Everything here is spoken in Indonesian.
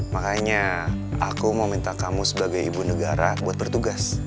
makanya aku meminta kamu sebagai ibu negara buat bertugas